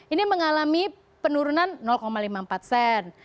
ini mengalami penurunan lima puluh empat sen